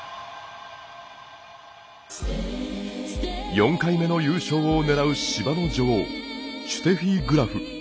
４回目の優勝を狙う芝の女王シュテフィ・グラフ。